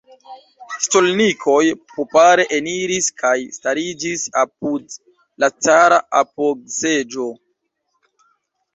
Stolnikoj popare eniris kaj stariĝis apud la cara apogseĝo.